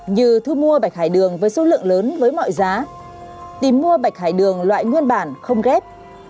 như thu mua bạch hải đường với số lượng lớn với mọi giá tìm mua bạch hải đường loại nguyên bản không ghép